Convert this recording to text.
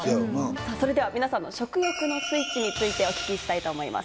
それでは皆さんの食欲のスイッチについて、お聞きしたいと思います。